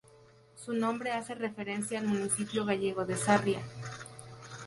Su nombre hace referencia al municipio gallego de Sarria.